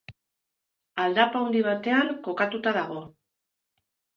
Aldapa handi batean kokatuta dago.